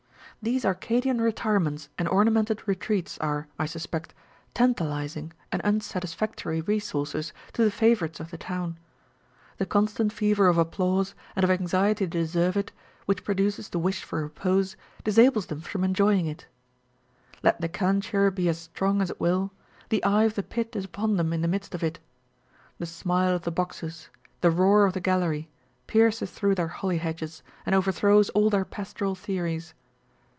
These Arcadian retirements and ornamented retreats are, I suspect, tan talising and unsatisfactory resources to the favourites of the town. The constant fever of applause, and of anxiety to deserve it, which produces the wish for repose, disables them from enjoying it. Let the calenture be as strong as it will, the eye of the pit is upon them in the midst of it : the smile of the boxes, the roar of the gallery, pierces through their holly hedges, and overthrows all their pastoral theories.